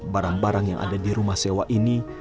barang barang yang ada di rumah sewa ini